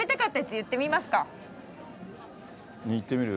言ってみる？